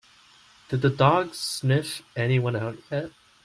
Did the dog sniff anyone out yet?